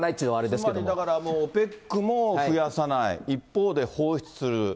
つまりだからＯＰＥＣも増やさない、一方で放出する。